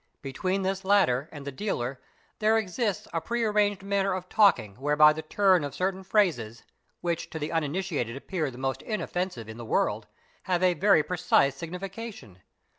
Between this latter and the dealer, there exists a prearranged manner of talking whereby the turn of — certain phrases, which to the uninitiated appear the most inoffensive in" the world, have a very precise signification.